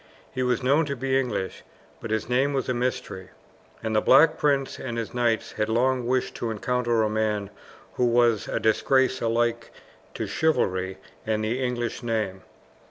He was known to be English, but his name was a mystery; and the Black Prince and his knights had long wished to encounter a man who was a disgrace alike to chivalry and the English name.